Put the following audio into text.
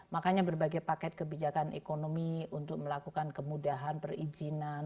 makanya berbagai paket kebijakan ekonomi untuk melakukan kemudahan perizinan